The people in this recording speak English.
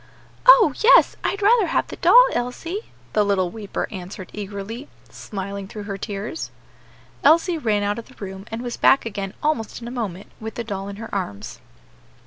"Oh! yes, I'd rather have the doll, Elsie," the little weeper answered eagerly, smiling through her tears. Elsie ran out of the room and was back again almost in a moment, with the doll in her arms.